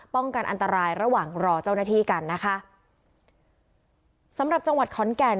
กันอันตรายระหว่างรอเจ้าหน้าที่กันนะคะสำหรับจังหวัดขอนแก่น